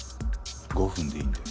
５分でいいんで。